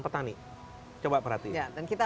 petani coba perhatiin ya dan kita